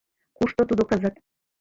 Кушто тудо кызыт?